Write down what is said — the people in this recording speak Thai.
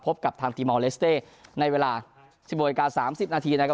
พบกับทางทีมออเลสเต้ในเวลา๑๖นาที๓๐นาที